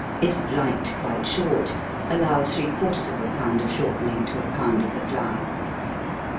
If liked quite short, allow three quarters of a pound of shortening to a pound of the flour.